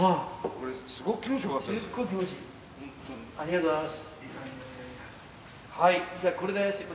ありがとうございます！